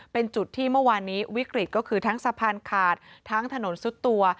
เป็นจุดที่เมื่อวานนี้วิกฤตก็คือทั้งสะพานขาดทั้งถนนซุดตัว